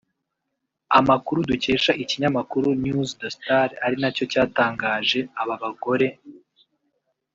Amakuru dukesha ikinyamakuru news de star ari nacyo cyatangaje aba bagore